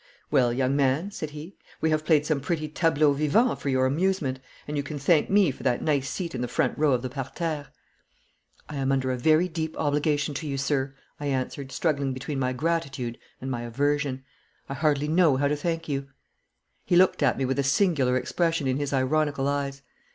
'Well, young man,' said he, 'we have played some pretty tableaux vivants for your amusement, and you can thank me for that nice seat in the front row of the parterre.' 'I am under a very deep obligation to you, sir,' I answered, struggling between my gratitude and my aversion. 'I hardly know how to thank you.' He looked at me with a singular expression in his ironical eyes.